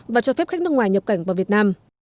và cho phép khách nước ngoài nhập cảnh vào việt nam